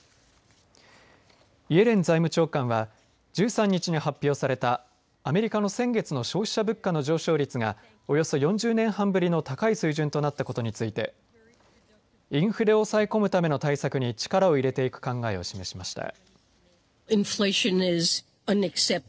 イエレン財務長官は１３日に発表されたアメリカの先月の消費者物価の上昇率がおよそ４０年半ぶりの高い水準となったことについてインフレを抑え込むための対策に力を入れていく考えを示しました。